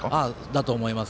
だと思います。